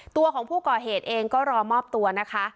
ตัวของผู้ก่อเหตุเองก็รอมอบตัวนะคะ